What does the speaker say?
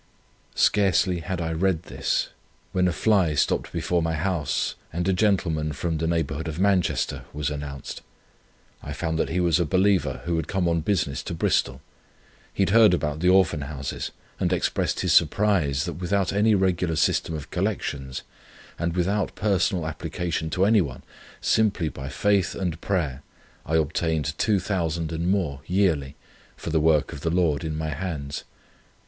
SCARCELY HAD I READ THIS, when a fly stopped before my house, and a gentleman, Mr. , from the neighbourhood of Manchester, was announced. I found that he was a believer, who had come on business to Bristol. He had heard about the Orphan Houses, and expressed his surprise, that without any regular system of collections, and without personal application to anyone, simply by faith and prayer, I obtained £2,000 and more yearly for the work of the Lord in my hands.